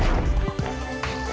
tak tiru gitu dia